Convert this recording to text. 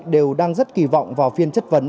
đều đang rất kỳ vọng vào phiên chấp vấn